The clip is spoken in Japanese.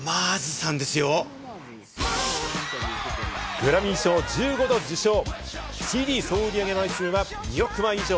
グラミー賞１５度受賞、ＣＤ総売り上げ枚数は２億枚以上。